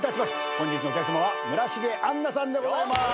本日のお客さまは村重杏奈さんでございます。